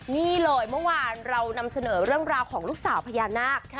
นี่เลยเมื่อวานเรานำเสนอเรื่องราวของลูกสาวพญานาค